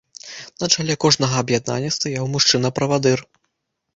На чале кожнага аб'яднання стаяў мужчына-правадыр.